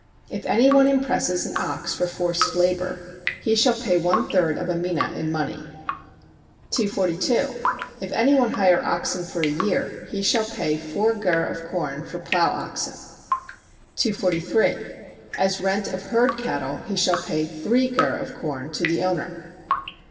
If any one impresses an ox for forced labor, he shall pay one third of a mina in money. 242. If any one hire oxen for a year, he shall pay four gur of corn for plow oxen. 243. As rent of herd cattle he shall pay three gur of corn to the owner.